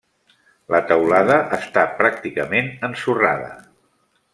La teulada està pràcticament ensorrada.